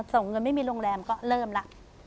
ส่งเงินไม่มีโรงแรมก็เริ่มแล้ว